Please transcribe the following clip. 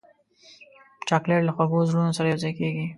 چاکلېټ له خوږو زړونو سره یوځای کېږي.